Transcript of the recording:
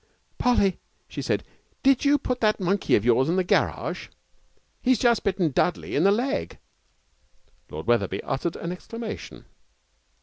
'Polly,' she said, 'did you put that monkey of yours in the garage? He's just bitten Dudley in the leg.' Lord Wetherby uttered an exclamation.